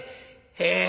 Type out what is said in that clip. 「へえ。